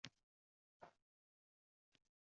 Jadidlar merosi – yoshlar nigohida